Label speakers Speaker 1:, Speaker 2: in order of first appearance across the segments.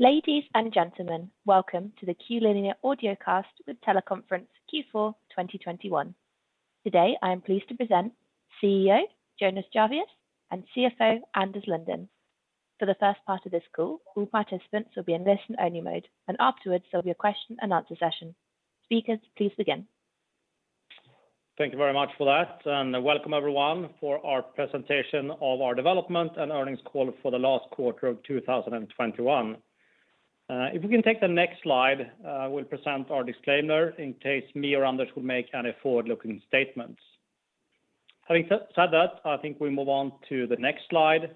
Speaker 1: Ladies and gentlemen, welcome to the Q-linea Audiocast with Teleconference Q4 2021. Today, I am pleased to present CEO Jonas Jarvius and CFO Anders Lundin. For the first part of this call, all participants will be in listen-only mode. Afterwards, there'll be a question-and-answer session. Speakers, please begin.
Speaker 2: Thank you very much for that, and welcome everyone for our presentation of our development and earnings call for the last quarter of 2021. If we can take the next slide, we'll present our disclaimer in case me or Anders Lundin will make any forward-looking statements. Having said that, I think we move on to the next slide,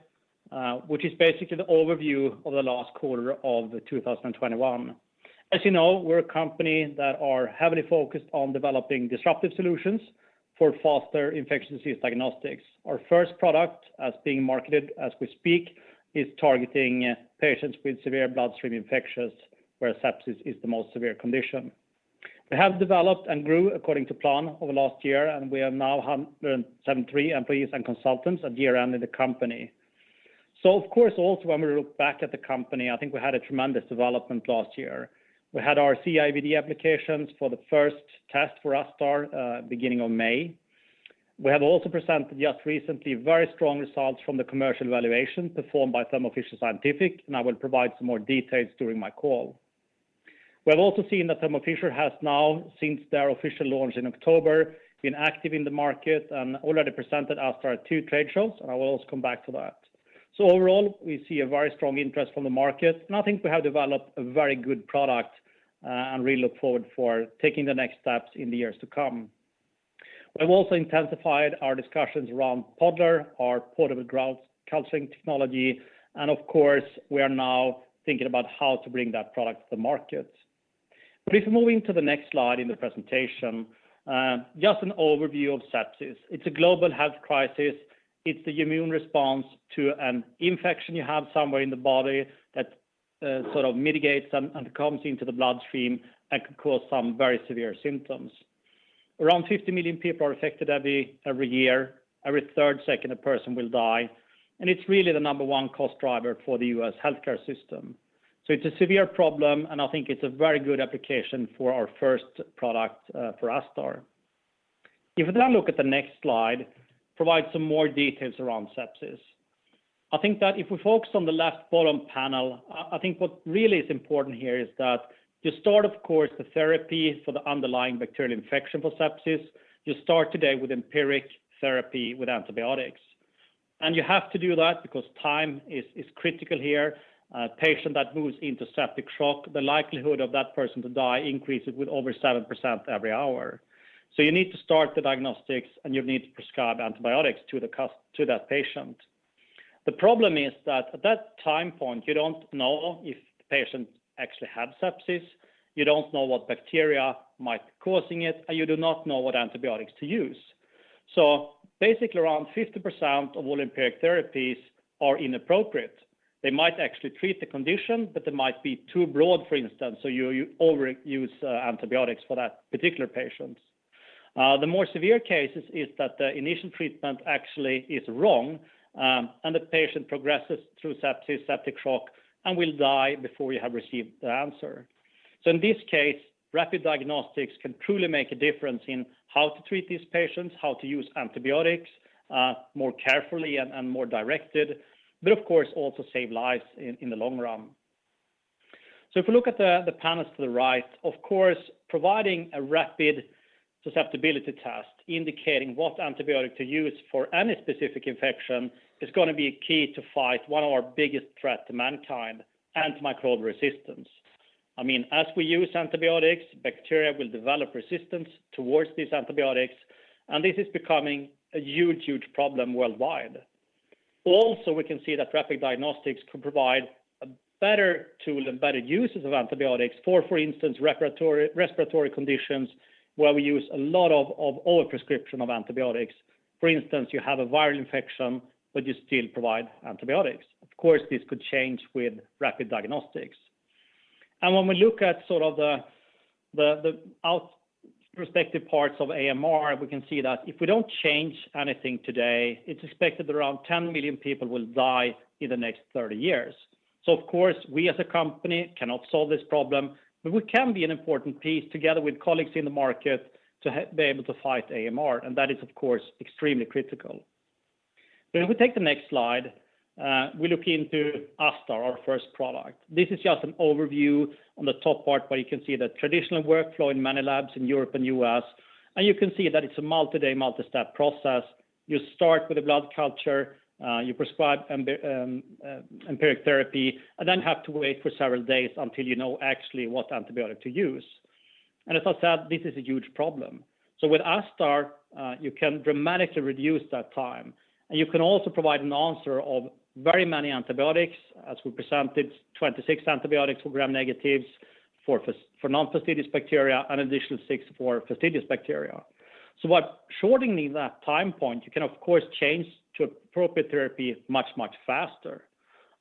Speaker 2: which is basically the overview of the last quarter of 2021. As you know, we're a company that are heavily focused on developing disruptive solutions for faster infectious disease diagnostics. Our first product as being marketed as we speak, is targeting patients with severe bloodstream infections, where sepsis is the most severe condition. We have developed and grew according to plan over last year, and we are now 173 employees and consultants at year-end of the company. Of course, also when we look back at the company, I think we had a tremendous development last year. We had our CE-IVD applications for the first test for ASTar beginning of May. We have also presented just recently very strong results from the commercial evaluation performed by Thermo Fisher Scientific, and I will provide some more details during my call. We have also seen that Thermo Fisher has now, since their official launch in October, been active in the market and already presented ASTar at two trade shows, and I will also come back to that. Overall, we see a very strong interest from the market, and I think we have developed a very good product and really look forward for taking the next steps in the years to come. We've also intensified our discussions around Podler, our portable blood culture technology, and of course, we are now thinking about how to bring that product to the market. If moving to the next slide in the presentation, just an overview of sepsis. It's a global health crisis. It's the immune response to an infection you have somewhere in the body that sort of migrates and comes into the bloodstream and can cause some very severe symptoms. Around 50 million people are affected every year. Every third second, a person will die, and it's really the number one cost driver for the U.S. healthcare system. It's a severe problem, and I think it's a very good application for our first product, for ASTar. If we then look at the next slide, provide some more details around sepsis. I think that if we focus on the left bottom panel, I think what really is important here is that you start, of course, the therapy for the underlying bacterial infection for sepsis. You start today with empiric therapy with antibiotics. You have to do that because time is critical here. A patient that moves into septic shock, the likelihood of that person to die increases with over 7% every hour. You need to start the diagnostics, and you need to prescribe antibiotics to that patient. The problem is that at that time point, you don't know if the patient actually have sepsis. You don't know what bacteria might be causing it, and you do not know what antibiotics to use. Basically, around 50% of all empiric therapies are inappropriate. They might actually treat the condition, but they might be too broad, for instance, so you overuse antibiotics for that particular patient. The more severe cases is that the initial treatment actually is wrong, and the patient progresses through sepsis, septic shock, and will die before you have received the answer. In this case, rapid diagnostics can truly make a difference in how to treat these patients, how to use antibiotics more carefully and more directed, but of course, also save lives in the long run. If you look at the panels to the right, of course, providing a rapid susceptibility test indicating what antibiotic to use for any specific infection is gonna be key to fight one of our biggest threat to mankind, antimicrobial resistance. I mean, as we use antibiotics, bacteria will develop resistance towards these antibiotics, and this is becoming a huge problem worldwide. Also, we can see that rapid diagnostics could provide a better tool and better uses of antibiotics for instance, respiratory conditions, where we use a lot of overprescription of antibiotics. For instance, you have a viral infection, but you still provide antibiotics. Of course, this could change with rapid diagnostics. When we look at sort of the prospective parts of AMR, we can see that if we don't change anything today, it's expected around 10 million people will die in the next 30 years. Of course, we as a company cannot solve this problem, but we can be an important piece together with colleagues in the market to be able to fight AMR, and that is of course, extremely critical. If we take the next slide, we look into ASTar, our first product. This is just an overview on the top part, where you can see the traditional workflow in many labs in Europe and U.S. You can see that it's a multi-day, multi-step process. You start with a blood culture, you prescribe empiric therapy, and then have to wait for several days until you know actually what antibiotic to use. As I said, this is a huge problem. With ASTar, you can dramatically reduce that time, and you can also provide an answer of very many antibiotics, as we presented, 26 antibiotics for gram-negatives, for non-fastidious bacteria, an additional six for fastidious bacteria. By shortening that time point, you can of course change to appropriate therapy much, much faster.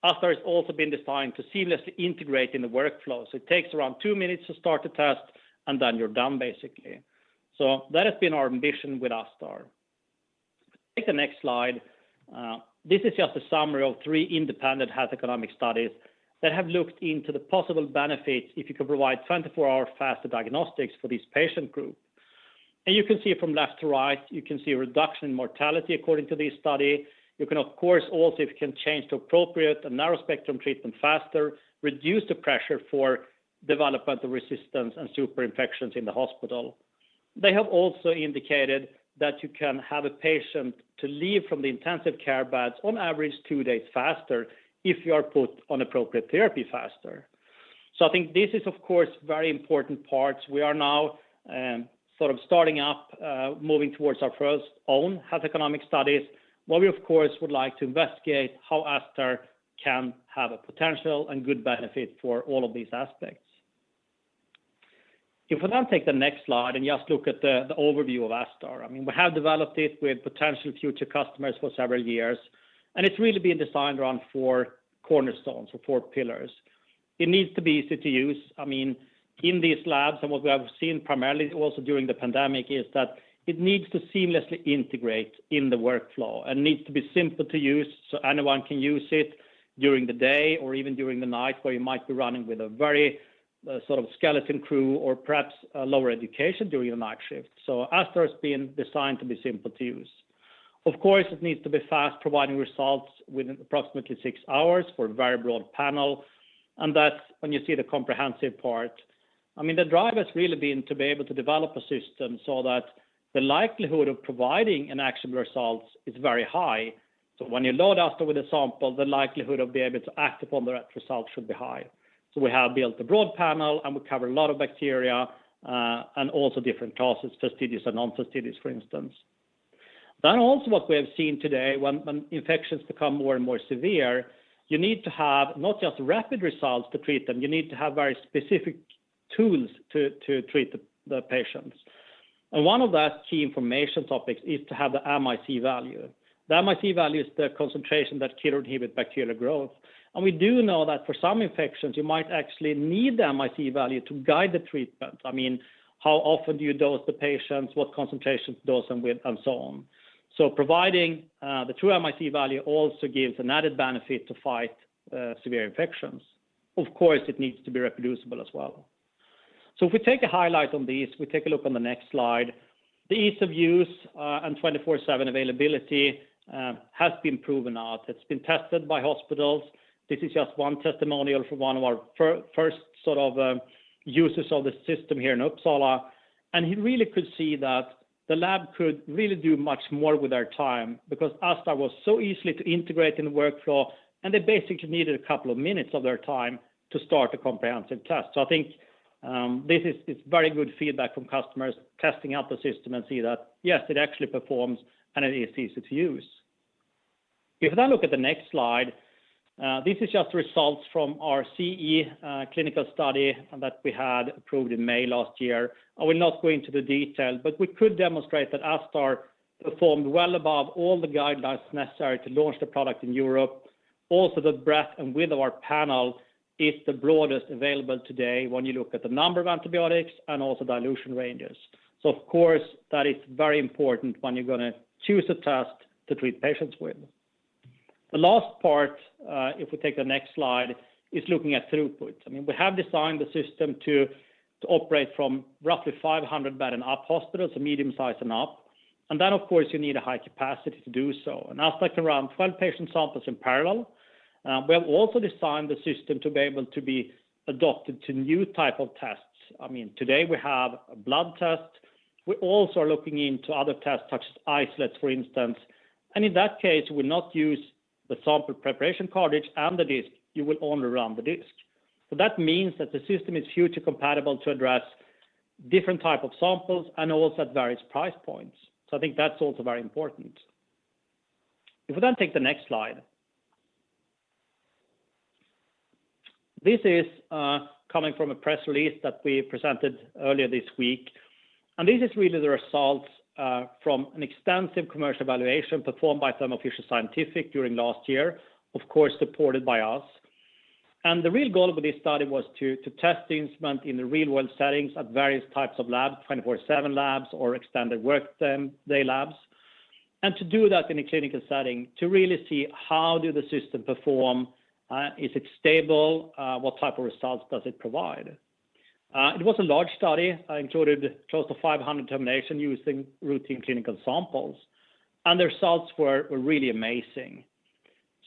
Speaker 2: ASTar has also been designed to seamlessly integrate in the workflow, so it takes around two minutes to start the test, and then you're done, basically. That has been our ambition with ASTar. Take the next slide. This is just a summary of three independent health economic studies that have looked into the possible benefits if you could provide 24-hour faster diagnostics for this patient group. You can see from left to right, you can see a reduction in mortality according to this study. You can, of course, also if you can change to appropriate and narrow spectrum treatment faster, reduce the pressure for development of resistance and super infections in the hospital. They have also indicated that you can have a patient to leave from the intensive care beds on average two days faster if you are put on appropriate therapy faster. I think this is, of course, very important parts. We are now sort of starting up moving towards our first own health economic studies, where we, of course, would like to investigate how ASTar can have a potential and good benefit for all of these aspects. If we now take the next slide and just look at the overview of ASTar. I mean, we have developed it with potential future customers for several years, and it's really been designed around four cornerstones or four pillars. It needs to be easy to use. I mean, in these labs, and what we have seen primarily also during the pandemic, is that it needs to seamlessly integrate in the workflow and needs to be simple to use, so anyone can use it during the day or even during the night, where you might be running with a very, sort of skeleton crew or perhaps a lower education during the night shift. So ASTar has been designed to be simple to use. Of course, it needs to be fast, providing results within approximately six hours for a very broad panel, and that's when you see the comprehensive part. I mean, the drive has really been to be able to develop a system so that the likelihood of providing an action results is very high. When you load ASTar with a sample, the likelihood of being able to act upon the right result should be high. We have built a broad panel, and we cover a lot of bacteria, and also different classes, fastidious and non-fastidious, for instance. Also what we have seen today, when infections become more and more severe, you need to have not just rapid results to treat them, you need to have very specific tools to treat the patients. One of that key information topics is to have the MIC value. The MIC value is the concentration that can inhibit bacterial growth. We do know that for some infections, you might actually need the MIC value to guide the treatment. I mean, how often do you dose the patients, what concentration dose them with, and so on. Providing the true MIC value also gives an added benefit to fight severe infections. Of course, it needs to be reproducible as well. If we take a highlight on this, we take a look on the next slide. The ease of use and 24/7 availability has been proven now. It's been tested by hospitals. This is just one testimonial from one of our first sort of users of the system here in Uppsala. He really could see that the lab could really do much more with their time because ASTar was so easy to integrate in the workflow, and they basically needed a couple of minutes of their time to start a comprehensive test. I think this is very good feedback from customers testing out the system and see that, yes, it actually performs and it is easy to use. If we now look at the next slide, this is just results from our CE clinical study that we had approved in May last year. I will not go into the detail, but we could demonstrate that ASTar performed well above all the guidelines necessary to launch the product in Europe. Also, the breadth and width of our panel is the broadest available today when you look at the number of antibiotics and also dilution ranges. Of course, that is very important when you're gonna choose a test to treat patients with. The last part, if we take the next slide, is looking at throughput. I mean, we have designed the system to operate from roughly 500-bed and up hospitals, so medium size and up. Of course, you need a high capacity to do so. ASTar can run 12 patient samples in parallel. We have also designed the system to be able to be adapted to new type of tests. I mean, today we have a blood test. We're also looking into other tests, such as isolates, for instance. In that case, we'll not use the sample preparation Cartridge and the disk. You will only run the disk. That means that the system is future compatible to address different type of samples and also at various price points. I think that's also very important. If we then take the next slide. This is coming from a press release that we presented earlier this week. This is really the results from an extensive commercial evaluation performed by Thermo Fisher Scientific during last year, of course, supported by us. The real goal of this study was to test the instrument in the real world settings at various types of labs, 24/7 labs or extended work time-day labs. To do that in a clinical setting, to really see how the system perform, is it stable, what type of results does it provide? It was a large study, included close to 500 determinations using routine clinical samples, and the results were really amazing.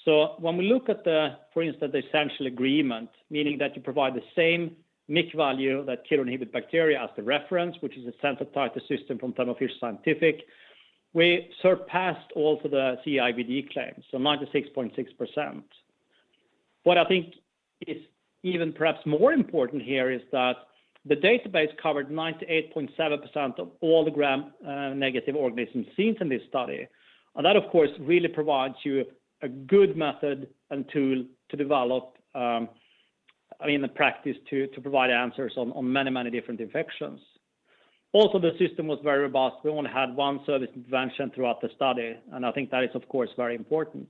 Speaker 2: When we look at the, for instance, the essential agreement, meaning that you provide the same MIC value that can inhibit bacteria as the reference, which is a sensitive type of system from Thermo Fisher Scientific, we surpassed also the CE-IVD claim, so 96.6%. What I think is even perhaps more important here is that the database covered 98.7% of all the gram negative organisms seen in this study. That, of course, really provides you a good method and tool to develop a practice to provide answers on many, many different infections. Also, the system was very robust. We only had one service intervention throughout the study, and I think that is, of course, very important.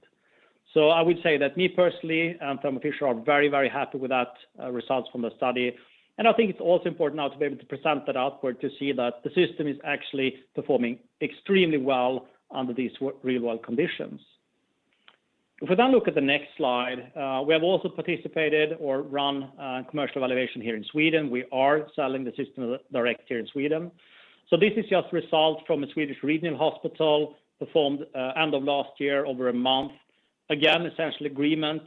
Speaker 2: I would say that me personally and Thermo Fisher are very, very happy with that results from the study. I think it's also important now to be able to present that outward to see that the system is actually performing extremely well under these real-world conditions. If we then look at the next slide, we have also participated or run commercial evaluation here in Sweden. We are selling the system direct here in Sweden. This is just result from a Swedish regional hospital performed end of last year over a month. Again, essential agreement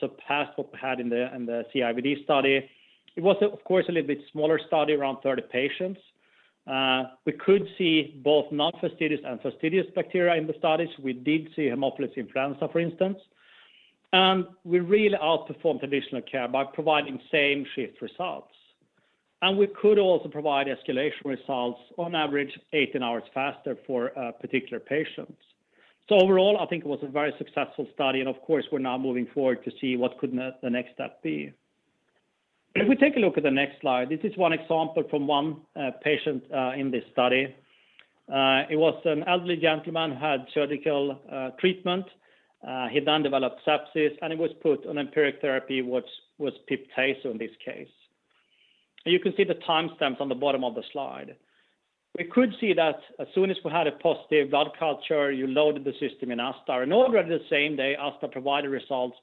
Speaker 2: surpassed what we had in the, in the CE-IVD study. It was of course, a little bit smaller study, around 30 patients. We could see both non-fastidious and fastidious bacteria in the studies. We did see Haemophilus influenzae, for instance. We really outperformed traditional care by providing same-shift results. We could also provide escalation results on average 18 hours faster for particular patients. Overall, I think it was a very successful study, and of course, we're now moving forward to see what could the next step be. If we take a look at the next slide, this is one example from one patient in this study. It was an elderly gentleman who had surgical treatment. He then developed sepsis, and he was put on empiric therapy, which was pip/tazo in this case. You can see the timestamps on the bottom of the slide. We could see that as soon as we had a positive blood culture, you loaded the system in ASTar. Already the same day, ASTar provided results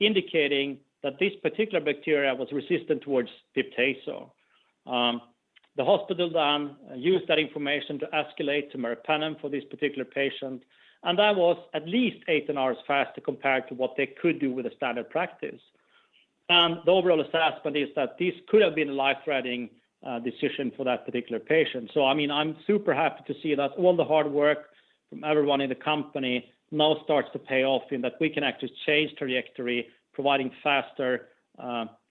Speaker 2: indicating that this particular bacteria was resistant towards pip/tazo. The hospital then used that information to escalate to meropenem for this particular patient, and that was at least 18 hours faster compared to what they could do with a standard practice. The overall assessment is that this could have been a life-threatening decision for that particular patient. I mean, I'm super happy to see that all the hard work from everyone in the company now starts to pay off in that we can actually change trajectory, providing faster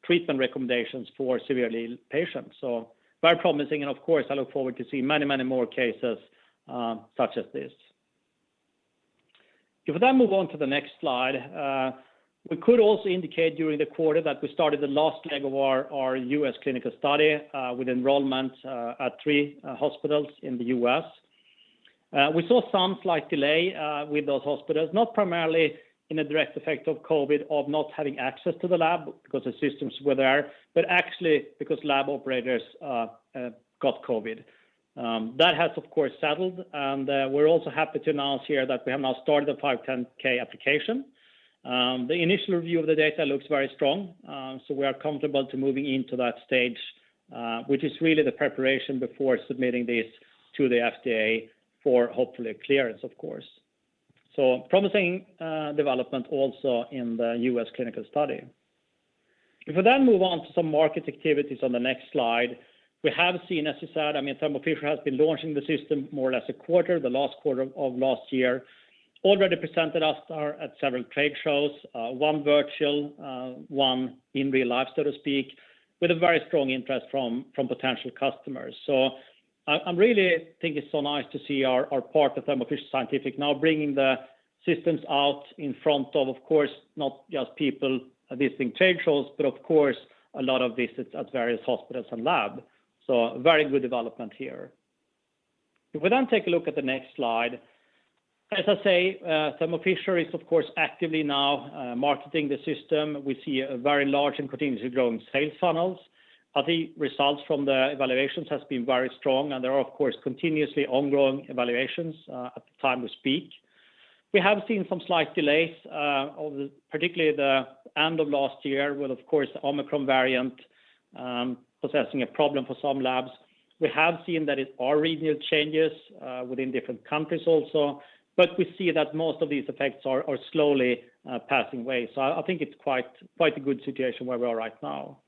Speaker 2: treatment recommendations for severely ill patients. Very promising, and of course, I look forward to see many, many more cases such as this. If we then move on to the next slide, we could also indicate during the quarter that we started the last leg of our U.S. clinical study with enrollment at three hospitals in the U.S. We saw some slight delay with those hospitals, not primarily in a direct effect of COVID of not having access to the lab because the systems were there, but actually because lab operators got COVID. That has of course settled, and we're also happy to announce here that we have now started the 510(k) application. The initial review of the data looks very strong, so we are comfortable to moving into that stage, which is really the preparation before submitting this to the FDA for hopefully clearance, of course. Promising development also in the U.S. clinical study. If we then move on to some market activities on the next slide, we have seen, as you said, I mean, Thermo Fisher has been launching the system more or less a quarter, the last quarter of last year. Already presented ASTar at several trade shows, one virtual, one in real life, so to speak, with a very strong interest from potential customers. I really think it's so nice to see our part of Thermo Fisher Scientific now bringing the systems out in front of course, not just people at these trade shows, but of course, a lot of visits at various hospitals and lab. Very good development here. If we then take a look at the next slide, as I say, Thermo Fisher is of course actively now marketing the system. We see a very large and continuously growing sales funnels. I think results from the evaluations has been very strong, and there are of course continuously ongoing evaluations at the time we speak. We have seen some slight delays over, particularly the end of last year with of course the Omicron variant possessing a problem for some labs. We have seen that there are regional changes within different countries also, but we see that most of these effects are slowly passing away. I think it's quite a good situation where we are right now.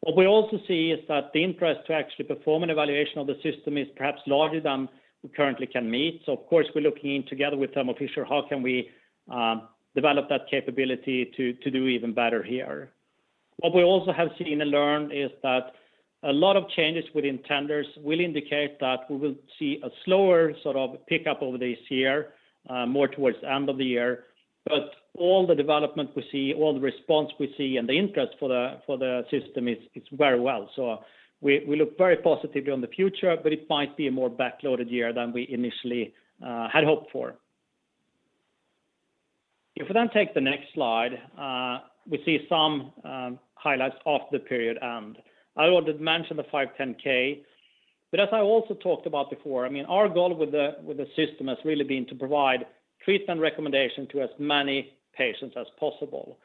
Speaker 2: What we also see is that the interest to actually perform an evaluation of the system is perhaps larger than we currently can meet. Of course, we're looking into, together with Thermo Fisher, how we can develop that capability to do even better here. What we also have seen and learned is that a lot of changes within tenders will indicate that we will see a slower sort of pick-up over this year, more towards the end of the year. All the development we see, all the response we see, and the interest for the system is very well. We look very positively on the future, but it might be a more back-loaded year than we initially had hoped for. If we then take the next slide, we see some highlights of the period, and I already mentioned the 510(k). As I also talked about before, I mean, our goal with the system has really been to provide treatment recommendation to as many patients as possible.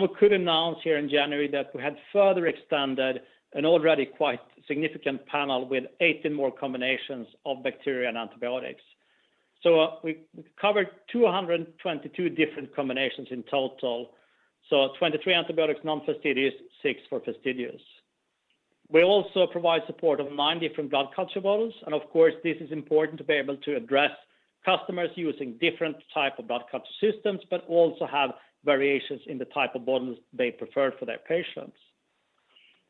Speaker 2: We could announce here in January that we had further extended an already quite significant panel with 18 more combinations of bacteria and antibiotics. We covered 222 different combinations in total. 23 antibiotics, non-fastidious, six for fastidious. We also provide support of nine different blood culture bottles, and of course, this is important to be able to address customers using different type of blood culture systems, but also have variations in the type of bottles they prefer for their patients.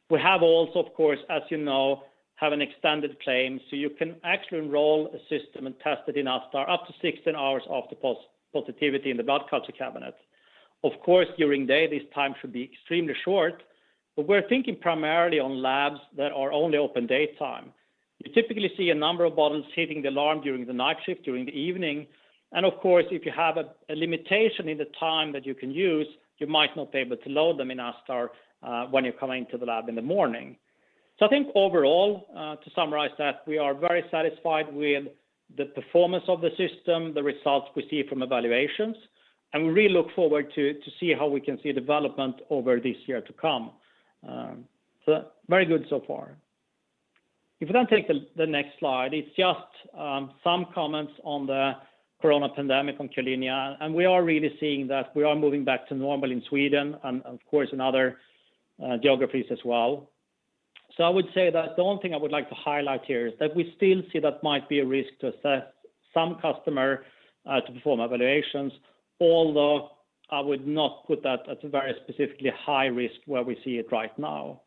Speaker 2: We have also, of course, as you know, an extended claim, so you can actually enroll a system and test it in ASTar up to 16 hours after positivity in the blood culture cabinet. Of course, during day, this time should be extremely short. But we're thinking primarily on labs that are only open daytime. You typically see a number of bottles hitting the alarm during the night shift, during the evening. Of course, if you have a limitation in the time that you can use, you might not be able to load them in ASTar when you're coming to the lab in the morning. I think overall, to summarize that, we are very satisfied with the performance of the system, the results we see from evaluations, and we really look forward to see how we can see development over this year to come. Very good so far. If you then take the next slide, it's just some comments on the corona pandemic on Q-linea, and we are really seeing that we are moving back to normal in Sweden and of course, in other geographies as well. I would say that the one thing I would like to highlight here is that we still see that might be a risk to assess some customer to perform evaluations, although I would not put that at a very specifically high risk where we see it right now.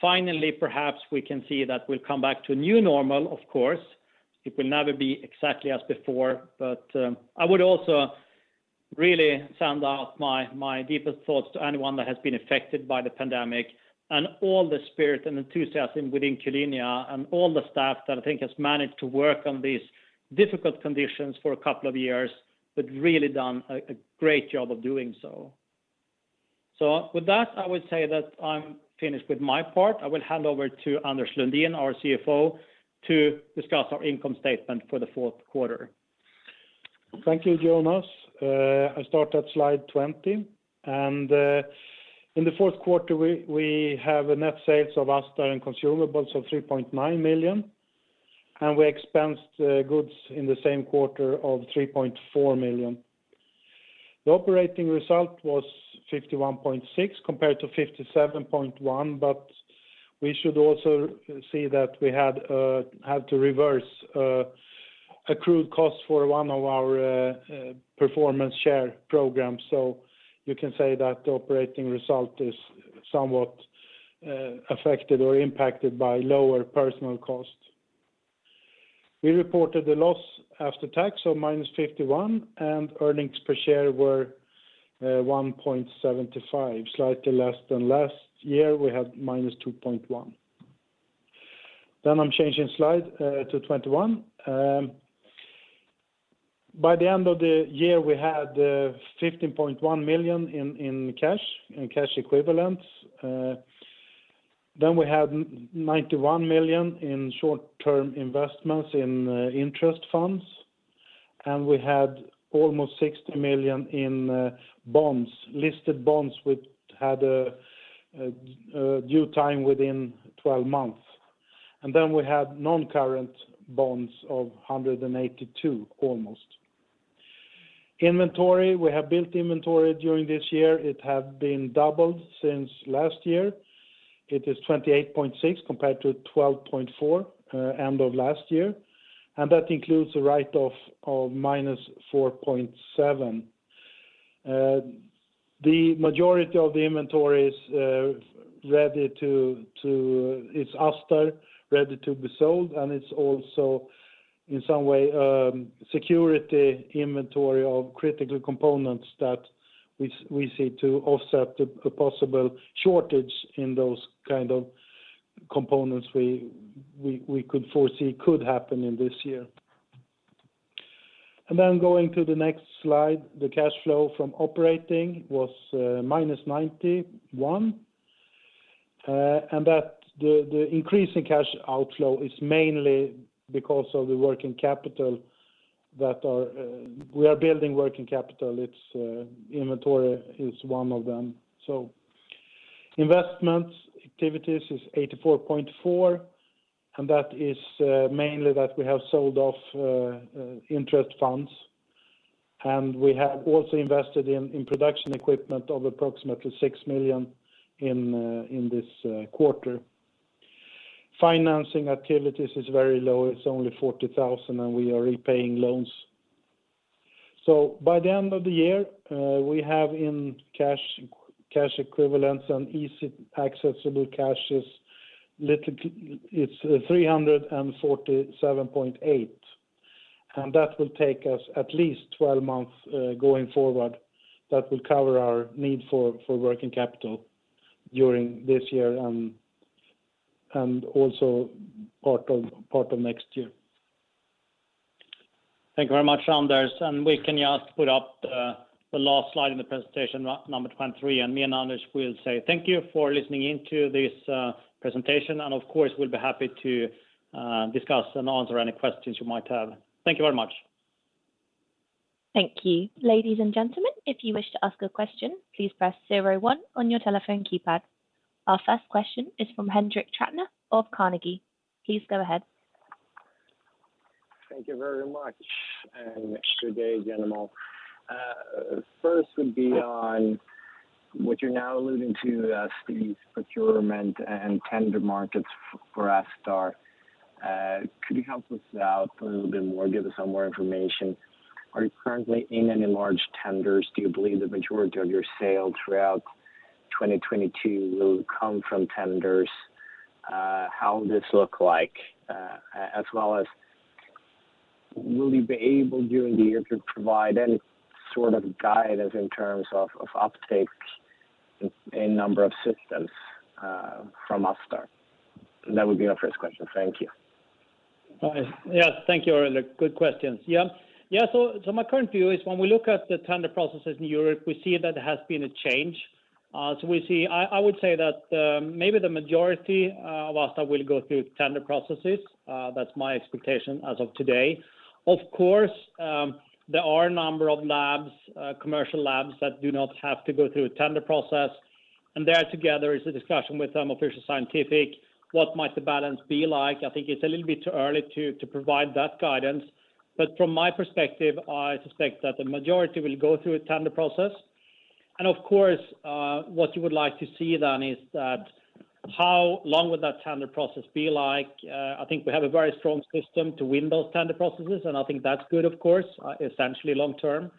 Speaker 2: Finally, perhaps we can see that we'll come back to a new normal of course. It will never be exactly as before. But I would also really send out my deepest thoughts to anyone that has been affected by the pandemic and all the spirit and enthusiasm within Q-linea and all the staff that I think has managed to work on these difficult conditions for a couple of years, but really done a great job of doing so. With that, I would say that I'm finished with my part. I will hand over to Anders Lundin, our CFO, to discuss our income statement for the fourth quarter.
Speaker 3: Thank you, Jonas. I start at slide 20. In the fourth quarter, we have net sales of ASTar and consumables of 3.9 million, and we expensed goods in the same quarter of 3.4 million. The operating result was 51.6 compared to 57.1. We should also see that we had to reverse accrued costs for one of our performance share programs. You can say that the operating result is somewhat affected or impacted by lower personnel costs. We reported the loss after tax of -51, and earnings per share were 1.75, slightly less than last year, we had -2.1. I'm changing slide to 21. By the end of the year, we had 15.1 million in cash equivalents. Then we had 91 million in short term investments in interest funds, and we had almost 60 million in bonds, listed bonds, which had a due time within twelve months. We had non-current bonds of almost 182. Inventory, we have built inventory during this year. It have been doubled since last year. It is 28.6 compared to 12.4 end of last year, and that includes a write-off of -4.7. The majority of the inventory is ready to—it's ASTar ready to be sold, and it's also, in some way, security inventory of critical components that we see to offset a possible shortage in those kind of components we could foresee could happen in this year. Going to the next slide, the cash flow from operating was -91 million. The increase in cash outflow is mainly because of the working capital that we are building working capital. Inventory is one of them. Investing activities is 84.4 million, and that is mainly that we have sold off interest funds. We have also invested in production equipment of approximately 6 million in this quarter. Financing activities is very low. It's only 40,000, and we are repaying loans. By the end of the year, we have in cash equivalents and easily accessible cash it's 347.8, and that will take us at least 12 months going forward. That will cover our need for working capital during this year and also part of next year.
Speaker 2: Thank you very much, Anders. We can just put up the last slide in the presentation, number 23. Me and Anders will say thank you for listening in to this presentation. Of course, we'll be happy to discuss and answer any questions you might have. Thank you very much.
Speaker 1: Thank you. Ladies and gentlemen, if you wish to ask a question, please press zero one on your telephone keypad. Our first question is from Ulrik Trattner of Carnegie. Please go ahead.
Speaker 4: Thank you very much. Good day, gentlemen. First would be on what you're now alluding to as these procurement and tender markets for ASTar. Could you help us out a little bit more, give us some more information? Are you currently in any large tenders? Do you believe the majority of your sales throughout 2022 will come from tenders? How this look like? As well as will you be able during the year to provide any sort of guidance in terms of uptake in number of systems from ASTar? That would be our first question. Thank you.
Speaker 2: Thank you, Ulrik. Good questions. My current view is when we look at the tender processes in Europe, we see that there has been a change. We see I would say that maybe the majority of ASTar will go through tender processes, that's my expectation as of today. Of course, there are a number of labs, commercial labs, that do not have to go through a tender process, and there together is a discussion with Thermo Fisher Scientific, what might the balance be like. I think it's a little bit too early to provide that guidance. From my perspective, I suspect that the majority will go through a tender process. Of course, what you would like to see then is that how long would that tender process be like. I think we have a very strong system to win those tender processes, and I think that's good of course, essentially long term.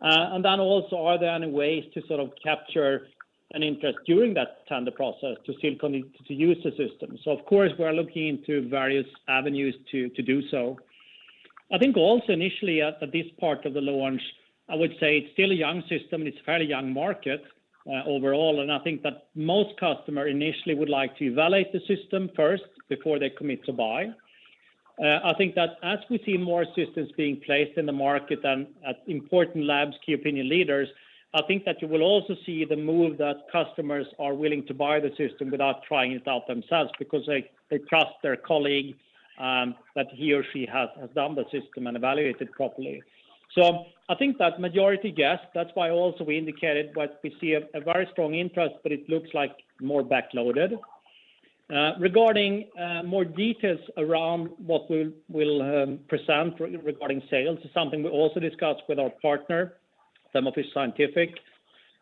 Speaker 2: Then also are there any ways to sort of capture an interest during that tender process to still commit to use the system? Of course, we are looking into various avenues to do so. I think also initially at this part of the launch, I would say it's still a young system, and it's a fairly young market, overall. I think that most customer initially would like to evaluate the system first before they commit to buy. I think that as we see more systems being placed in the market than at important labs, key opinion leaders, I think that you will also see the move that customers are willing to buy the system without trying it out themselves because they trust their colleague that he or she has done the system and evaluate it properly. I think that majority, yes, that's why also we indicated what we see a very strong interest, but it looks like more backloaded. Regarding more details around what we'll present regarding sales is something we also discussed with our partner, Thermo Fisher Scientific,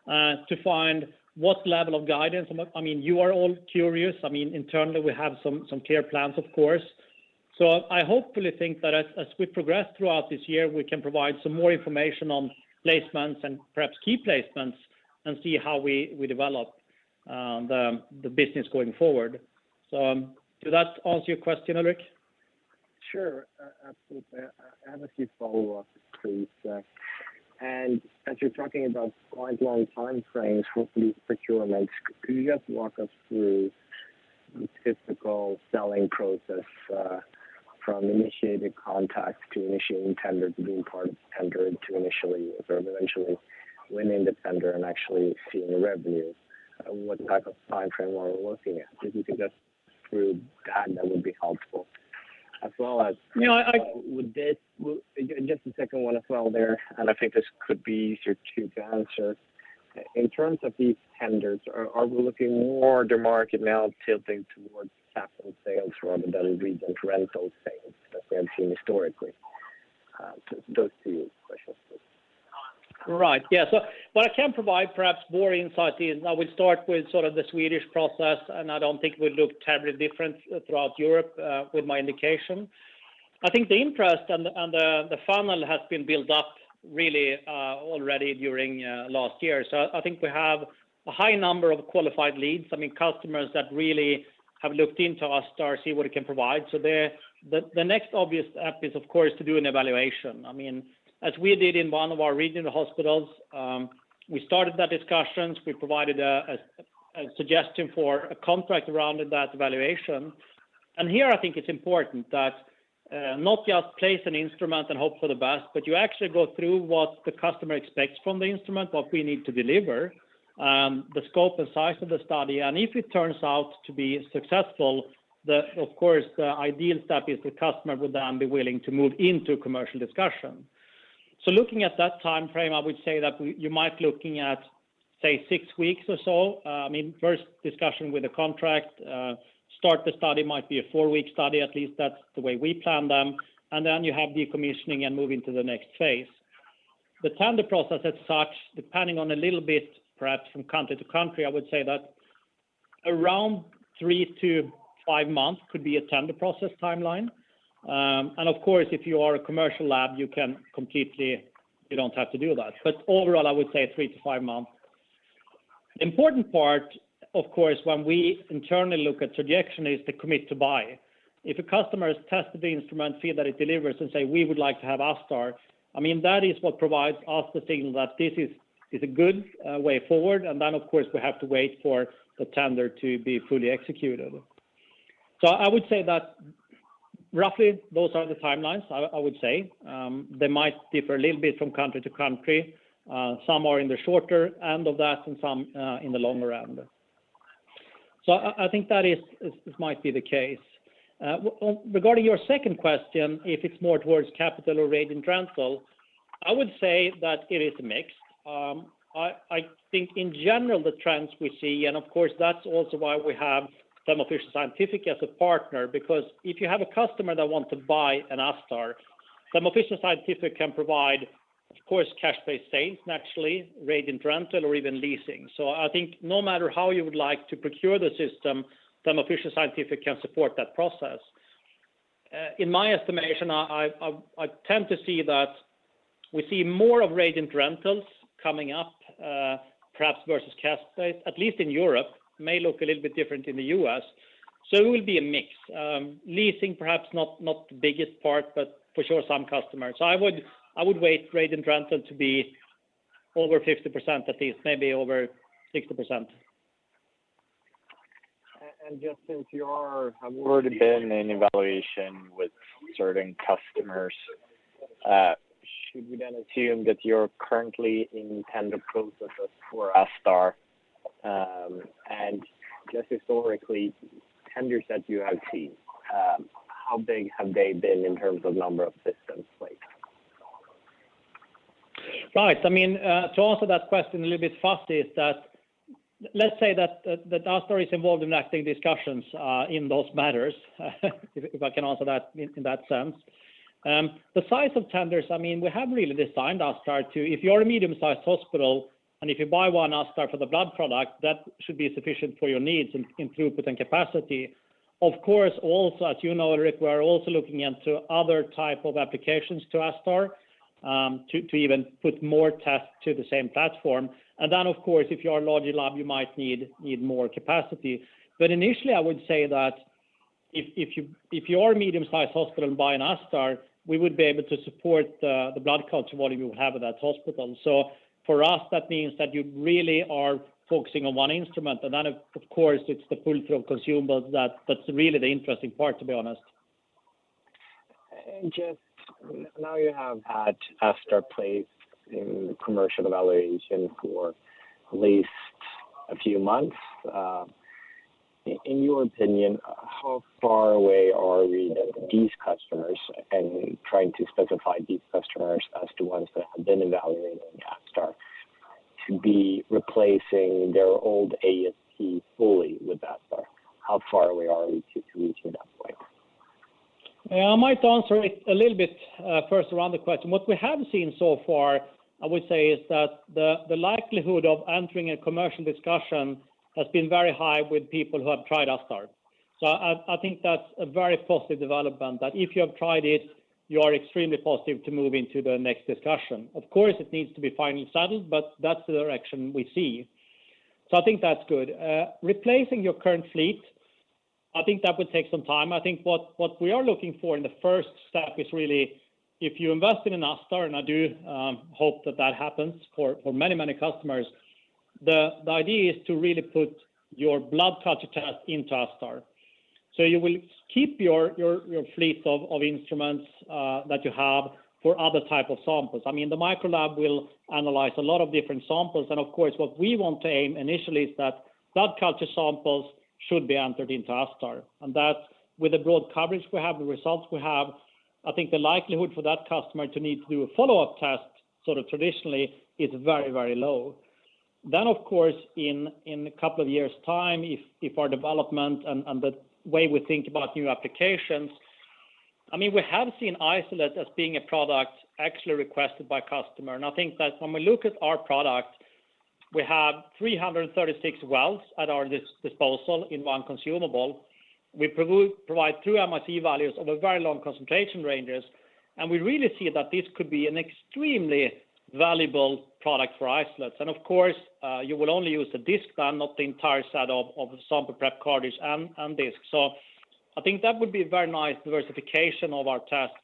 Speaker 2: to find what level of guidance. I mean, you are all curious. I mean, internally we have some clear plans of course. I hopefully think that as we progress throughout this year, we can provide some more information on placements and perhaps key placements and see how we develop the business going forward. Did that answer your question, Ulrik?
Speaker 4: Sure. Absolutely. I have a few follow-ups please. As you're talking about quite long time frames for these procurements, could you just walk us through the typical selling process, from initiating contact to initiating tender, to being part of tender, to initially or eventually winning the tender and actually seeing the revenue? What type of time frame are we looking at? If you could just go through that would be helpful. As well as-
Speaker 2: No.
Speaker 4: With this. Well, just the second one as well there. I think this could be easier to answer. In terms of these tenders, are we looking at the market now tilting towards capital sales rather than reagent rental sales that we have seen historically? Those two questions please.
Speaker 2: Right. Yeah. What I can provide perhaps more insight is I will start with sort of the Swedish process, and I don't think we look terribly different throughout Europe, with my indication. I think the interest and the funnel has been built up really already during last year. I think we have a high number of qualified leads, I mean, customers that really have looked into ASTar, see what it can provide. The next obvious step is of course to do an evaluation. I mean, as we did in one of our regional hospitals, we started the discussions, we provided a suggestion for a contract around that evaluation. Here I think it's important that not just place an instrument and hope for the best, but you actually go through what the customer expects from the instrument, what we need to deliver, the scope and size of the study. If it turns out to be successful, then of course, the ideal step is that the customer would then be willing to move into commercial discussion. Looking at that timeframe, I would say that you might be looking at, say, six weeks or so. I mean, first discussion with a contract, start the study, might be a four-week study, at least that's the way we plan them. You have the commissioning and moving to the next phase. The tender process as such, depending on a little bit perhaps from country to country, I would say that around 3-5 months could be a tender process timeline. Of course, if you are a commercial lab, you don't have to do that. Overall, I would say 3-5 months. Important part, of course, when we internally look at projection is the commit to buy. If a customer has tested the instrument, see that it delivers, and say, "We would like to have ASTar," I mean, that is what provides us the signal that this is a good way forward. Then of course, we have to wait for the tender to be fully executed. I would say that roughly those are the timelines, I would say. They might differ a little bit from country to country. Some are in the shorter end of that and some in the longer end. I think that is this might be the case. Regarding your second question, if it's more towards capital or reagent rental, I would say that it is mixed. I think in general the trends we see, and of course that's also why we have Thermo Fisher Scientific as a partner because if you have a customer that want to buy an ASTar, Thermo Fisher Scientific can provide, of course, cash-based sales naturally, reagent rental or even leasing. I think no matter how you would like to procure the system, Thermo Fisher Scientific can support that process. In my estimation, I tend to see that we see more of reagent rentals coming up, perhaps versus cash sales, at least in Europe. It may look a little bit different in the U.S. It will be a mix. Leasing perhaps not the biggest part, but for sure some customers. I would expect reagent rental to be over 50% at least, maybe over 60%.
Speaker 4: Just since you are, have already been in evaluation with certain customers, should we then assume that you're currently in tender processes for ASTar? Just historically, tenders that you have seen, how big have they been in terms of number of systems like?
Speaker 2: Right. I mean, to answer that question a little bit faster is that let's say that ASTar is involved in active discussions in those matters, if I can answer that in that sense. The size of tenders, I mean, we have really designed ASTar to... If you're a medium-sized hospital and if you buy one ASTar for the blood product, that should be sufficient for your needs in throughput and capacity. Of course, also, as you know, Ulrik, we are also looking into other type of applications to ASTar, to even put more tests to the same platform. Of course, if you are a larger lab, you might need more capacity. Initially, I would say that if you are a medium-sized hospital and buy an ASTar, we would be able to support the blood culture volume you have at that hospital. For us, that means that you really are focusing on one instrument. Of course, it's the pull-through of consumables that's really the interesting part, to be honest.
Speaker 4: Just now you have had ASTar placed in commercial evaluation for at least a few months. In your opinion, how far away are we that these customers, and trying to specify these customers as the ones that have been evaluating ASTar, to be replacing their old AST fully with ASTar? How far are we to reaching that point?
Speaker 2: Yeah, I might answer it a little bit, first around the question. What we have seen so far, I would say, is that the likelihood of entering a commercial discussion has been very high with people who have tried ASTar. I think that's a very positive development, that if you have tried it, you are extremely positive to move into the next discussion. Of course, it needs to be finally settled, but that's the direction we see. I think that's good. Replacing your current fleet, I think that would take some time. I think what we are looking for in the first step is really if you invest in an ASTar, and I do hope that that happens for many customers, the idea is to really put your blood culture test into ASTar. You will keep your fleet of instruments that you have for other type of samples. I mean, the microlab will analyze a lot of different samples. Of course, what we want to aim initially is that blood culture samples should be entered into ASTar. That with the broad coverage we have, the results we have, I think the likelihood for that customer to need to do a follow-up test, sort of traditionally, is very, very low. Of course, in a couple of years' time, if our development and the way we think about new applications, I mean, we have seen isolates as being a product actually requested by customer. I think that when we look at our product, we have 336 wells at our disposal in one consumable. We provide two MIC values over very long concentration ranges. We really see that this could be an extremely valuable product for isolates. Of course, you will only use the disk but not the entire set of sample prep Cartridge and disk. I think that would be a very nice diversification of our tests.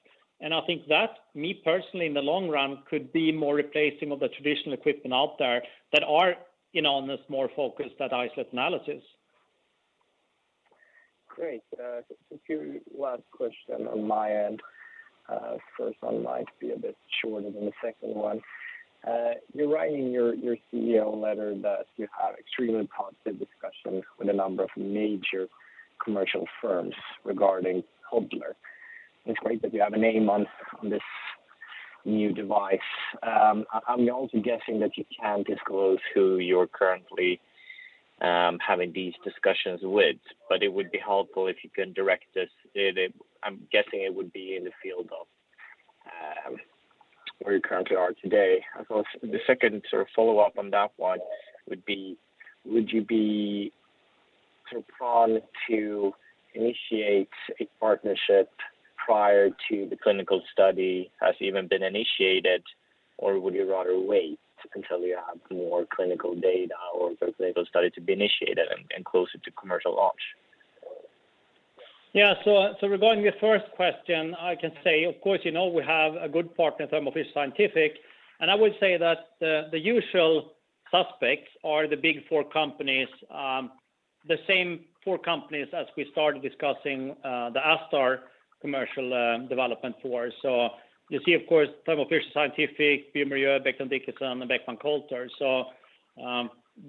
Speaker 2: I think that, me personally, in the long run, could be more replacing of the traditional equipment out there that are, you know, on this more focused at isolate analysis.
Speaker 4: Great. Just a few last questions on my end. First one might be a bit shorter than the second one. You write in your CEO letter that you have extremely positive discussions with a number of major commercial firms regarding Podler. It's great that you have a name on this new device. I'm also guessing that you can't disclose who you're currently having these discussions with, but it would be helpful if you can direct us. I'm guessing it would be in the field of where you currently are today. Of course, the second sort of follow-up on that one would be, would you be sort of prone to initiate a partnership prior to the clinical study has even been initiated, or would you rather wait until you have more clinical data or the clinical study to be initiated and closer to commercial launch?
Speaker 2: Yeah. Regarding the first question, I can say, of course, you know, we have a good partner, Thermo Fisher Scientific, and I would say that the usual suspects are the big four companies, the same four companies as we started discussing, the ASTar commercial development for. You see, of course, Thermo Fisher Scientific, bioMérieux, Becton Dickinson, and Beckman Coulter.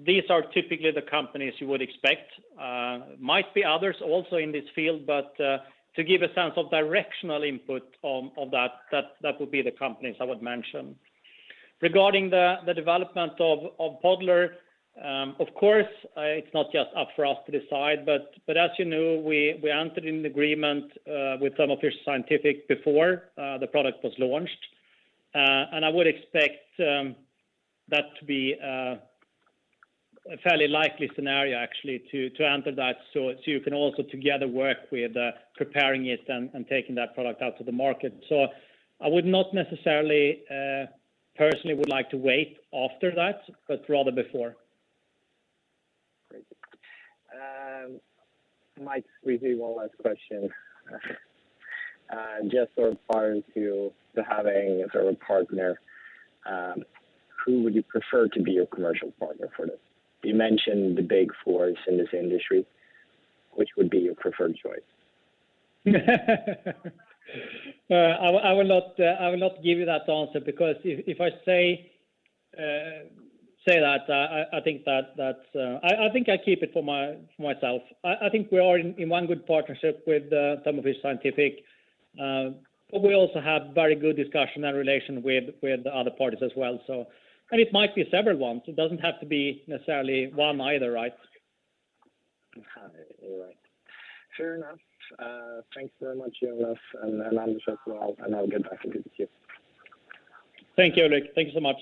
Speaker 2: These are typically the companies you would expect. Might be others also in this field, but to give a sense of directional input on that would be the companies I would mention. Regarding the development of Podler, of course, it's not just up for us to decide. As you know, we entered an agreement with Thermo Fisher Scientific before the product was launched. I would expect that to be a fairly likely scenario actually to enter that so you can also together work with preparing it and taking that product out to the market. I would not necessarily personally would like to wait after that, but rather before.
Speaker 4: Great. Might squeeze in one last question. Just sort of prior to having sort of a partner, who would you prefer to be your commercial partner for this? You mentioned the big fours in this industry. Which would be your preferred choice?
Speaker 2: I will not give you that answer because if I say that, I think I keep it for myself. I think we are in one good partnership with Thermo Fisher Scientific. But we also have very good discussion and relation with the other parties as well. It might be several ones. It doesn't have to be necessarily one either, right?
Speaker 4: Right. Fair enough. Thanks very much, Jonas, and Anders as well, and I'll get back into the queue.
Speaker 2: Thank you, Ulrik. Thank you so much.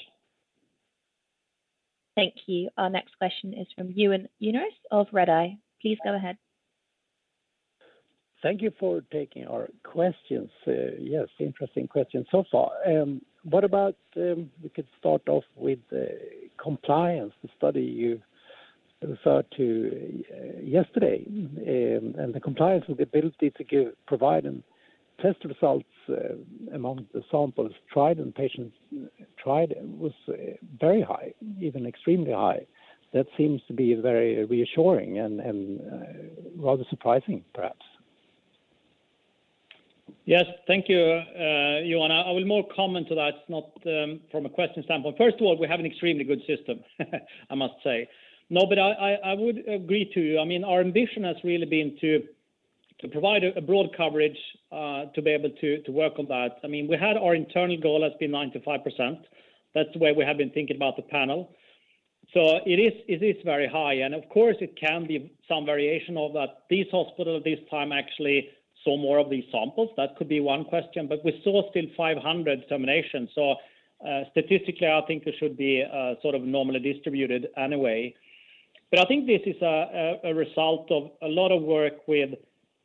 Speaker 1: Thank you. Our next question is from Johan Unnérus of Redeye. Please go ahead.
Speaker 5: Thank you for taking our questions. Yes, interesting questions so far. What about we could start off with the compliance study you referred to yesterday. The compliance with ability to give, provide, and test results among the samples tried in patients was very high, even extremely high. That seems to be very reassuring and rather surprising, perhaps.
Speaker 2: Yes. Thank you, Johan. I will comment more to that, not from a question standpoint. First of all, we have an extremely good system, I must say. I would agree to you. I mean, our ambition has really been to provide a broad coverage to be able to work on that. I mean, our internal goal has been 95%. That's the way we have been thinking about the panel. It is very high. Of course, it can be some variation of that. This hospital, this time actually saw more of these samples. That could be one question, but we saw still 500 determination. Statistically, I think it should be sort of normally distributed anyway. I think this is a result of a lot of work with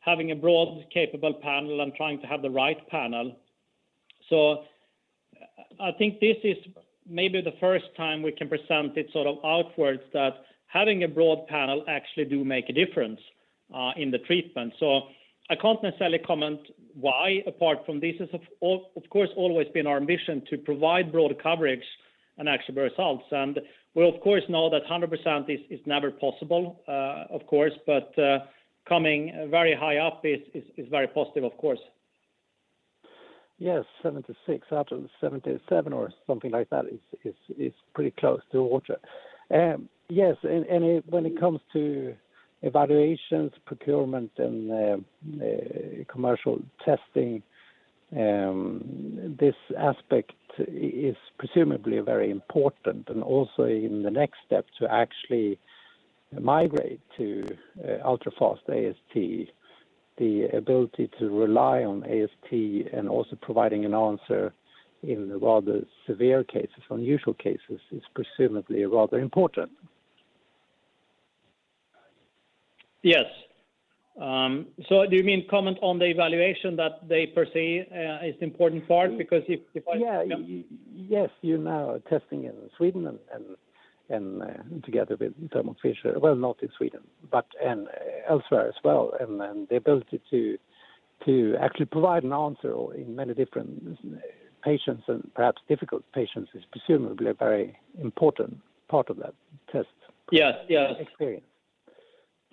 Speaker 2: having a broad capable panel and trying to have the right panel. I think this is maybe the first time we can present it sort of outwards that having a broad panel actually do make a difference in the treatment. I can't necessarily comment why, apart from this has of course always been our ambition to provide broad coverage and actual results. We of course know that 100% is never possible, of course. Coming very high up is very positive, of course.
Speaker 5: Yes. 76 out of 77 or something like that is pretty close to 100%. When it comes to evaluations, procurement, and commercial testing, this aspect is presumably very important. Also in the next step to actually migrate to Ultra-Fast AST, the ability to rely on AST and also providing an answer in the rather severe cases, unusual cases is presumably rather important.
Speaker 2: Yes. Do you mean comment on the evaluation that they perceive is important part? Because if I-
Speaker 5: Yeah. Yes. You're now testing in Sweden and together with Thermo Fisher. Well, not in Sweden, but elsewhere as well. The ability to actually provide an answer for many different patients and perhaps difficult patients is presumably a very important part of that test.
Speaker 2: Yes. Yes
Speaker 5: -experience.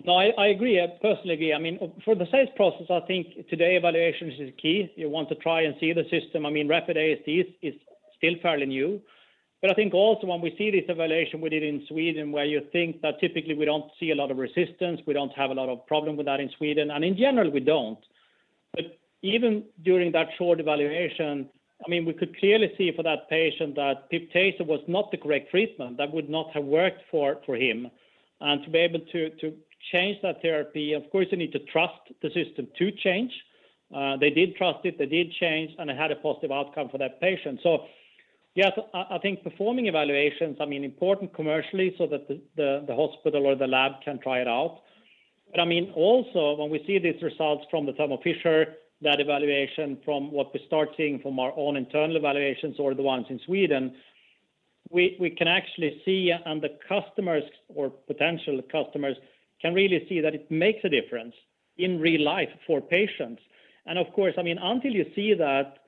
Speaker 2: No, I agree. I personally agree. I mean, for the sales process, I think today evaluations is key. You want to try and see the system. I mean, Rapid AST is still fairly new. I think also when we see this evaluation we did in Sweden, where you think that typically we don't see a lot of resistance, we don't have a lot of problem with that in Sweden, and in general, we don't. Even during that short evaluation, I mean, we could clearly see for that patient that pip/tazo was not the correct treatment. That would not have worked for him. To be able to change that therapy, of course, you need to trust the system to change. They did trust it, they did change, and it had a positive outcome for that patient. Yes, I think performing evaluations, I mean, important commercially so that the hospital or the lab can try it out. I mean, also when we see these results from the Thermo Fisher, that evaluation from what we start seeing from our own internal evaluations or the ones in Sweden, we can actually see, and the customers or potential customers can really see that it makes a difference in real life for patients. Of course, I mean, until you see that,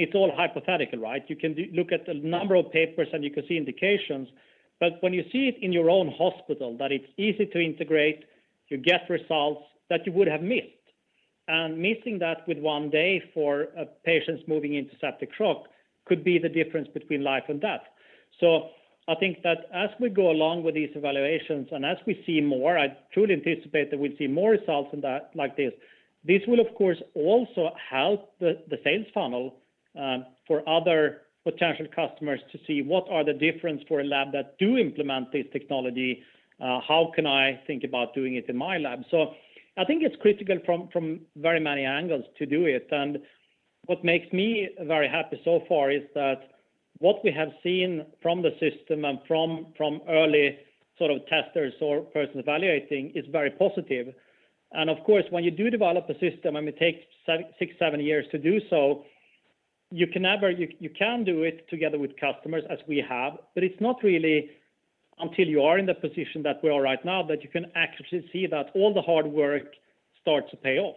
Speaker 2: it's all hypothetical, right? You can look at the number of papers and you can see indications, but when you see it in your own hospital, that it's easy to integrate, you get results that you would have missed. Missing that with one day for patients moving into septic shock could be the difference between life and death. I think that as we go along with these evaluations, and as we see more, I truly anticipate that we'll see more results in that like this. This will of course also help the sales funnel for other potential customers to see what are the difference for a lab that do implement this technology, how can I think about doing it in my lab? I think it's critical from very many angles to do it. What makes me very happy so far is that what we have seen from the system and from early sort of testers or persons evaluating is very positive. Of course, when you do develop a system, and it takes six, seven years to do so, you can do it together with customers as we have. It's not really until you are in the position that we are right now that you can actually see that all the hard work starts to pay off.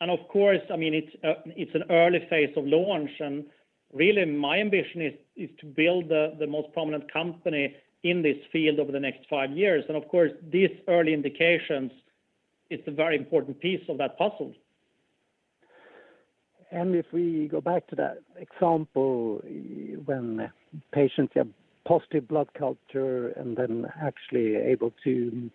Speaker 2: Of course, I mean, it's an early phase of launch, and really my ambition is to build the most prominent company in this field over the next five years. Of course, these early indications, it's a very important piece of that puzzle.
Speaker 5: If we go back to that example, when patients have positive blood culture and then actually able to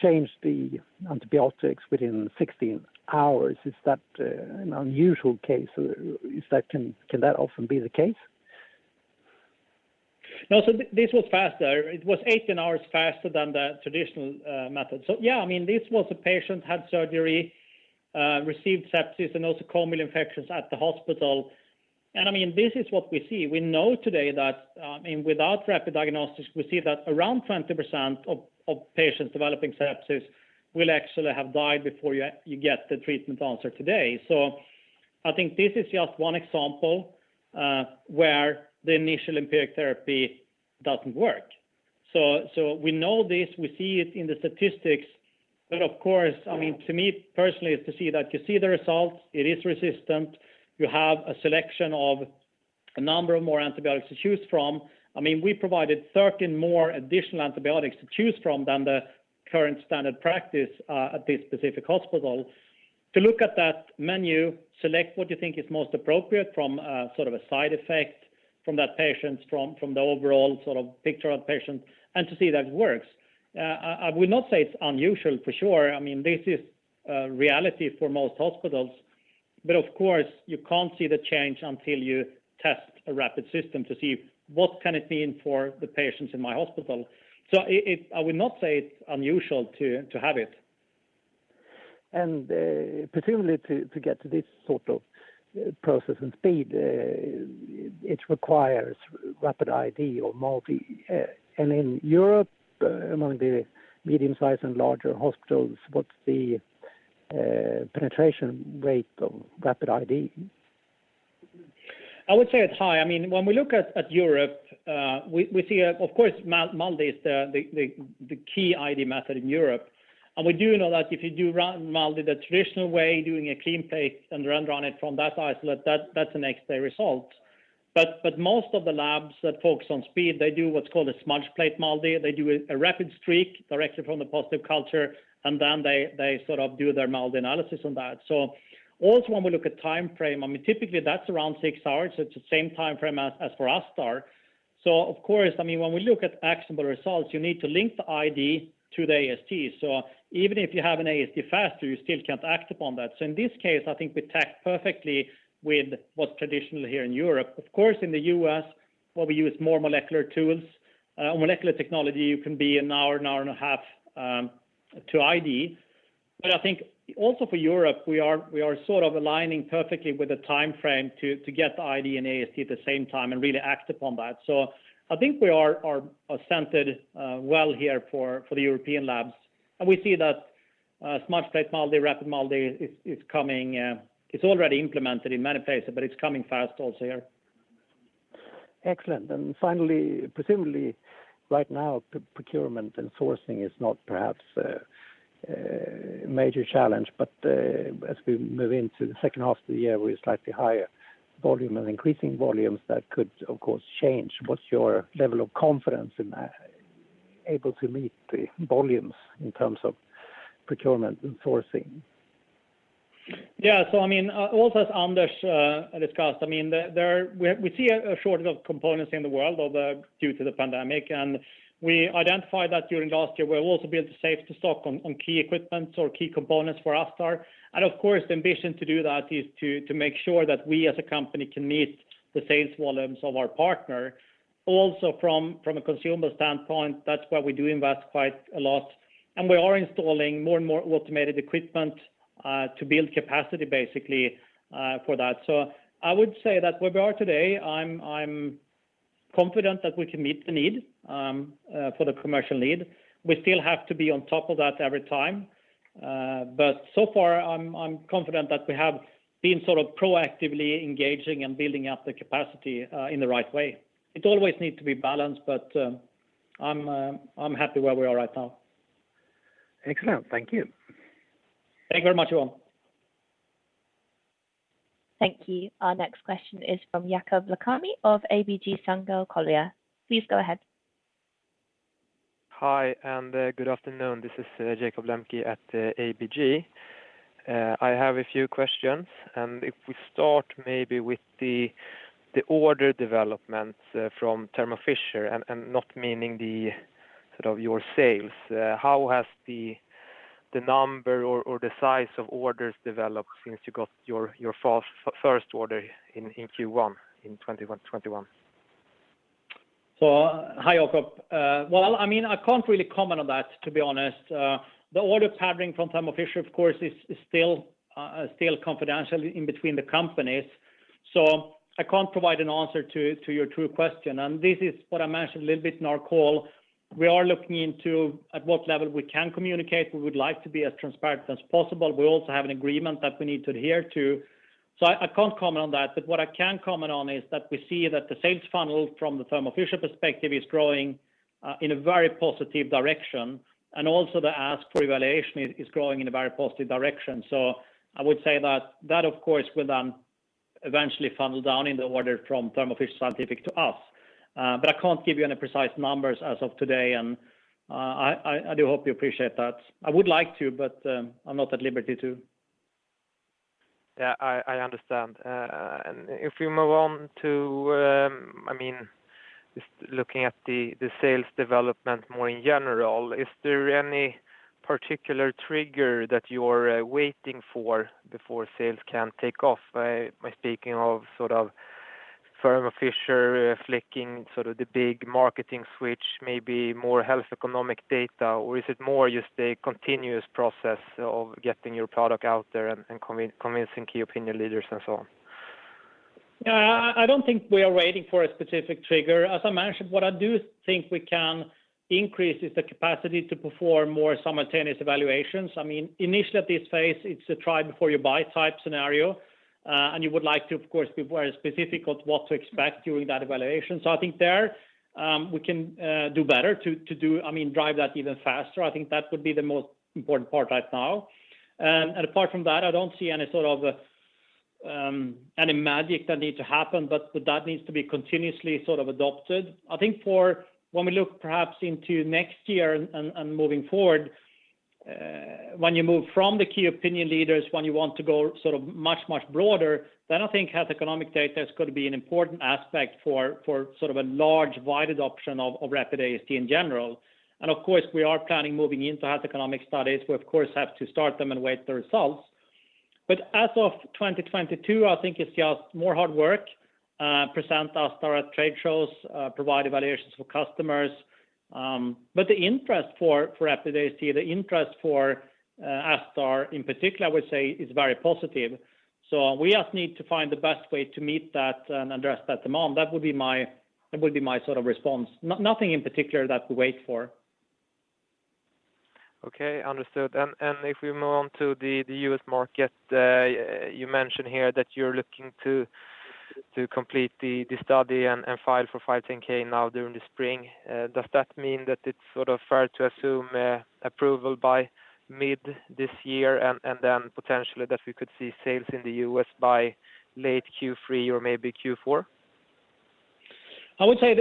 Speaker 5: change the antibiotics within 16 hours, is that an unusual case? Or is that can that often be the case?
Speaker 2: No. This was faster. It was 18 hours faster than the traditional method. Yeah, I mean, this was a patient, had surgery, received sepsis and also nosocomial infections at the hospital. I mean, this is what we see. We know today that without rapid diagnostics, we see that around 20% of patients developing sepsis will actually have died before you get the treatment answer today. I think this is just one example where the initial empiric therapy doesn't work. We know this, we see it in the statistics. Of course, I mean, to me personally is to see that you see the results, it is resistant. You have a selection of a number of more antibiotics to choose from. I mean, we provided 13 more additional antibiotics to choose from than the current standard practice at this specific hospital. To look at that menu, select what you think is most appropriate from sort of a side effect from that patient, from the overall sort of picture of patient and to see that it works. I would not say it's unusual for sure. I mean, this is reality for most hospitals, but of course you can't see the change until you test a rapid system to see what can it mean for the patients in my hospital. I would not say it's unusual to have it.
Speaker 5: Presumably to get to this sort of process and speed, it requires rapid ID or MALDI. In Europe, among the medium size and larger hospitals, what's the penetration rate of rapid ID?
Speaker 2: I would say it's high. I mean, when we look at Europe, we see, of course, MALDI is the key ID method in Europe. We do know that if you do rapid MALDI the traditional way, doing a clean plate and run on it from that isolate, that's the next day result. Most of the labs that focus on speed, they do what's called a smudge plate MALDI. They do a rapid streak directly from the positive culture, and then they sort of do their MALDI analysis on that. Also when we look at timeframe, I mean, typically that's around six hours. It's the same timeframe as for ASTar. Of course, I mean, when we look at actionable results, you need to link the ID to the AST. Even if you have an AST faster, you still can't act upon that. In this case, I think we tacked perfectly with what's traditional here in Europe. Of course, in the U.S. where we use more molecular tools, on molecular technology, you can be an hour, an hour and a half to ID. I think also for Europe, we are sort of aligning perfectly with the timeframe to get the ID and AST at the same time and really act upon that. I think we are centered well here for the European labs, and we see that smudge plate MALDI, rapid MALDI is coming. It's already implemented in many places, but it's coming fast also here.
Speaker 5: Excellent. Finally, presumably right now, the procurement and sourcing is not perhaps a major challenge, but, as we move into the second half of the year with slightly higher volume and increasing volumes, that could of course change. What's your level of confidence in able to meet the volumes in terms of procurement and sourcing?
Speaker 2: Yeah. I mean, also as Anders discussed, I mean, there we see a shortage of components in the world due to the pandemic, and we identified that during last year. We've also built a safety stock on key equipment or key components for ASTar. Of course, the ambition to do that is to make sure that we as a company can meet the sales volumes of our partner. Also from a customer standpoint, that's why we do invest quite a lot, and we are installing more and more automated equipment to build capacity basically for that. I would say that where we are today, I'm confident that we can meet the need for the commercial need. We still have to be on top of that every time. So far I'm confident that we have been sort of proactively engaging and building up the capacity in the right way. It always needs to be balanced, but I'm happy where we are right now.
Speaker 5: Excellent. Thank you.
Speaker 2: Thank you very much, Johan.
Speaker 1: Thank you. Our next question is from Jakob Lembke of ABG Sundal Collier. Please go ahead.
Speaker 6: Hi, good afternoon. This is Jakob Lembke at ABG. I have a few questions, and if we start maybe with the order development from Thermo Fisher and not meaning the sort of your sales. How has the number or the size of orders developed since you got your first order in Q1 in 2021?
Speaker 2: Hi, Jakob. Well, I mean, I can't really comment on that, to be honest. The order patterning from Thermo Fisher, of course, is still confidential in between the companies, so I can't provide an answer to your true question. This is what I mentioned a little bit in our call, we are looking into at what level we can communicate. We would like to be as transparent as possible. We also have an agreement that we need to adhere to. I can't comment on that, but what I can comment on is that we see that the sales funnel from the Thermo Fisher perspective is growing in a very positive direction. Also the ask for evaluation is growing in a very positive direction. I would say that of course will then eventually funnel down in the order from Thermo Fisher Scientific to us. But I can't give you any precise numbers as of today. I do hope you appreciate that. I would like to, but I'm not at liberty to.
Speaker 6: Yeah, I understand. If we move on to, I mean, just looking at the sales development more in general, is there any particular trigger that you're waiting for before sales can take off? Speaking of sort of Thermo Fisher, flipping sort of the big marketing switch, maybe more health economic data, or is it more just a continuous process of getting your product out there and convincing key opinion leaders and so on?
Speaker 2: Yeah. I don't think we are waiting for a specific trigger. As I mentioned, what I do think we can increase is the capacity to perform more simultaneous evaluations. I mean, initially at this phase, it's a try before you buy type scenario. You would like to, of course, be very specific on what to expect during that evaluation. I think there, we can do better, I mean, to drive that even faster. I think that would be the most important part right now. Apart from that, I don't see any sort of, any magic that need to happen, but that needs to be continuously sort of adopted. I think for when we look perhaps into next year and moving forward, when you move from the key opinion leaders, when you want to go sort of much broader, then I think health economic data is gonna be an important aspect for sort of a large wide adoption of Rapid AST in general. Of course, we are planning moving into health economic studies. We of course have to start them and wait the results. As of 2022, I think it's just more hard work, present ASTar at trade shows, provide evaluations for customers. The interest for Rapid AST, the interest for ASTar in particular, I would say is very positive. We just need to find the best way to meet that and address that demand. That would be my sort of response. Nothing in particular that we wait for.
Speaker 6: Okay. Understood. If we move on to the U.S. market, you mentioned here that you're looking to complete the study and file for 510(k) now during the spring. Does that mean that it's sort of fair to assume approval by mid this year and then potentially that we could see sales in the U.S. by late Q3 or maybe Q4?
Speaker 2: I would say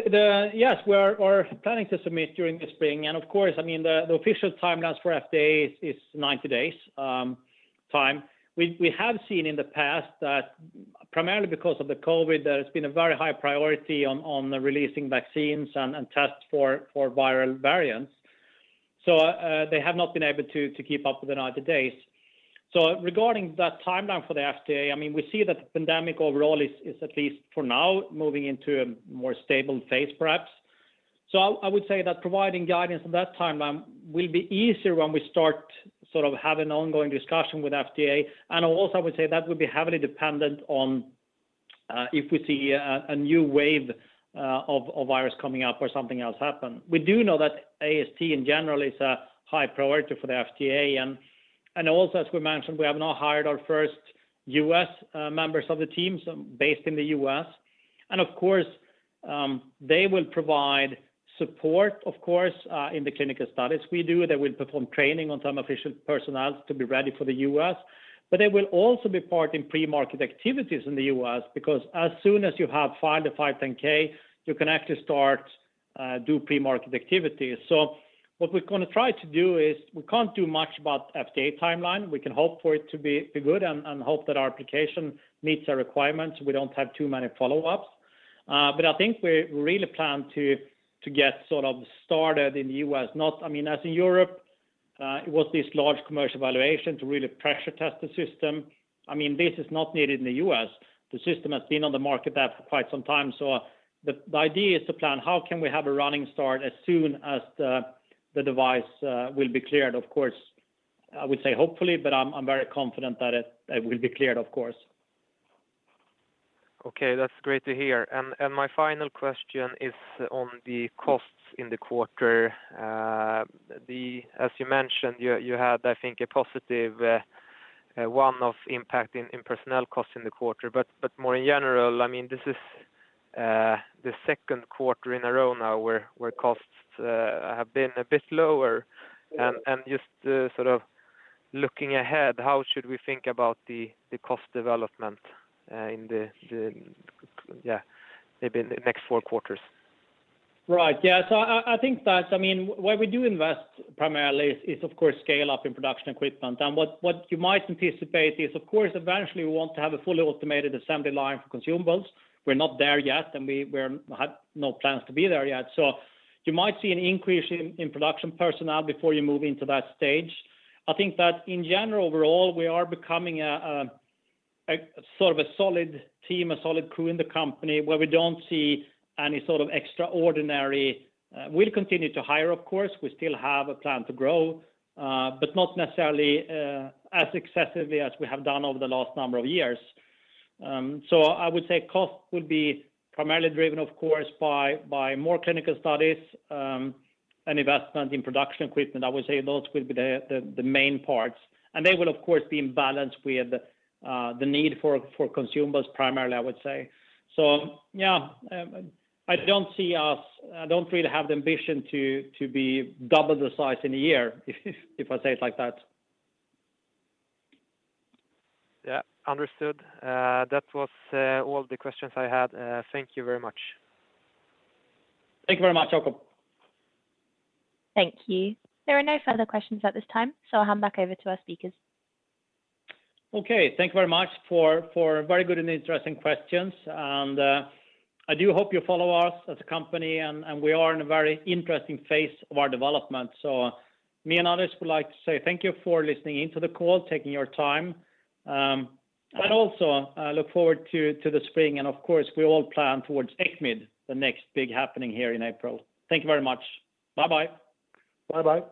Speaker 2: yes, we are planning to submit during the spring. Of course, I mean, the official timelines for FDA is 90 days time. We have seen in the past that primarily because of the COVID, there has been a very high priority on releasing vaccines and tests for viral variants. They have not been able to keep up with the 90 days. Regarding that timeline for the FDA, I mean, we see that the pandemic overall is at least for now moving into a more stable phase, perhaps. I would say that providing guidance on that timeline will be easier when we start sort of have an ongoing discussion with FDA. Also I would say that would be heavily dependent on if we see a new wave of virus coming up or something else happen. We do know that AST in general is a high priority for the FDA. Also as we mentioned, we have now hired our first U.S. members of the team, so based in the U.S. Of course, they will provide support, of course, in the clinical studies we do. They will perform training on Thermo Fisher personnel to be ready for the U.S., but they will also be part in pre-market activities in the U.S. because as soon as you have filed a 510(k), you can actually start do pre-market activities. What we're gonna try to do is we can't do much about FDA timeline. We can hope for it to be good and hope that our application meets our requirements. We don't have too many follow-ups. I think we really plan to get sort of started in the U.S. I mean, as in Europe, it was this large commercial evaluation to really pressure test the system. I mean, this is not needed in the U.S. The system has been on the market there for quite some time. The idea is to plan how can we have a running start as soon as the device will be cleared, of course. I would say hopefully, but I'm very confident that it will be cleared, of course.
Speaker 6: Okay. That's great to hear. My final question is on the costs in the quarter. As you mentioned, you had, I think, a positive one-off impact in personnel costs in the quarter. More in general, I mean, this is the second quarter in a row now where costs have been a bit lower. Just sort of looking ahead, how should we think about the cost development? Yeah, maybe in the next four quarters?
Speaker 2: Right. Yeah. I think that's I mean, where we do invest primarily is of course scale up in production equipment. What you might anticipate is, of course, eventually we want to have a fully automated assembly line for consumables. We're not there yet, and we have no plans to be there yet. You might see an increase in production personnel before you move into that stage. I think that in general, overall, we are becoming a sort of a solid team, a solid crew in the company where we don't see any sort of extraordinary. We'll continue to hire, of course. We still have a plan to grow, but not necessarily as excessively as we have done over the last number of years. I would say cost will be primarily driven, of course, by more clinical studies, and investment in production equipment. I would say those will be the main parts. They will of course be in balance with the need for consumables primarily, I would say. I don't really have the ambition to be double the size in a year if I say it like that.
Speaker 6: Yeah. Understood. That was all the questions I had. Thank you very much.
Speaker 2: Thank you very much, Jakob.
Speaker 1: Thank you. There are no further questions at this time, so I'll hand back over to our speakers.
Speaker 2: Okay. Thank you very much for very good and interesting questions. I do hope you follow us as a company, and we are in a very interesting phase of our development. Me and others would like to say thank you for listening in to the call, taking your time. Also I look forward to the spring and of course we all plan towards ECCMID, the next big happening here in April. Thank you very much. Bye-bye.
Speaker 3: Bye-bye.